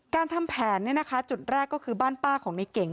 การทำแผนจุดแรกก็คือบ้านป้าของในเก่ง